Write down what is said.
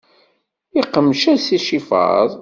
Iqmec-as icifaḍ.